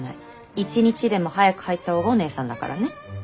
一日でも早く入った方がお姐さんだからね。